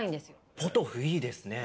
ポトフいいですね。